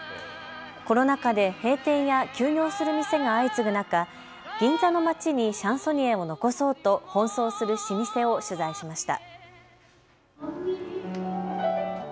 コロナ禍で閉店や休業する店が相次ぐ中、銀座の街にシャンソニエを残そうと奔走する老舗を取材しました。